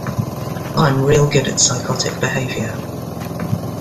I'm real good at psychotic behavior.